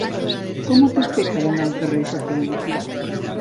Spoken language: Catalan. Com ho puc fer per anar al carrer de Chopin?